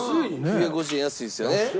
９５０円安いですよね。